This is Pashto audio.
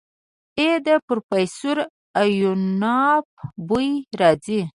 ای د پروفيسر ايوانوف بوئ راځي.